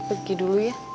pergi dulu ya